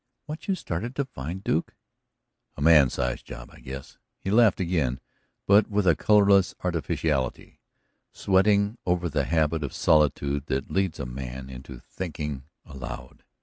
"What you started to find, Duke?" "A man sized job, I guess." He laughed again, but with a colorless artificiality, sweating over the habit of solitude that leads a man into thinking aloud.